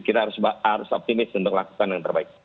kita harus optimis untuk lakukan yang terbaik